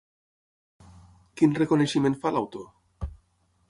Quin reconeixement fa l'autor?